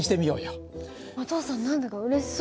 お父さん何だかうれしそう。